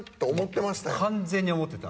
完全に思ってた。